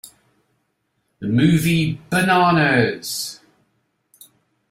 The movie Bananas!